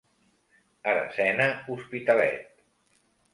Aracena Hospitalet.